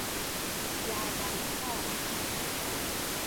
گردنها